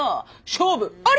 勝負あり！